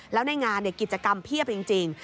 แล้วในงานกิจกรรมเพียบจริง